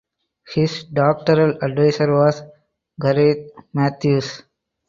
His doctoral advisor was Gareth Matthews.